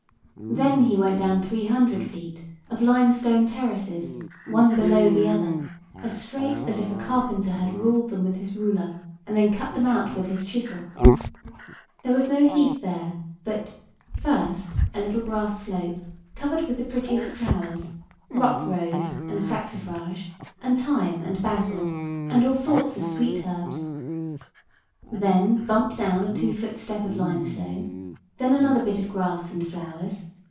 Then he went down three hundred feet of lime stone terraces, one below the other, as straight as if a carpenter had ruled them with his ruler and then cut them out with his chisel. There was no heath there, but— First, a little grass slope, covered with the prettiest flowers, rockrose and saxifrage, and thyme and basil, and all sorts of sweet herbs. Then bump down a two foot step of limestone. Then another bit of grass and flowers.